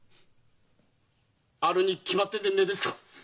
あるに決まってんでねえですか。